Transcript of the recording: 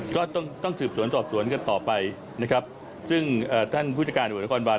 ก็ต้องติดสวนสอบสวนกันต่อไปซึ่งท่านผู้จัดการอคบาล